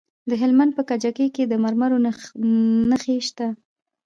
د هلمند په کجکي کې د مرمرو نښې شته.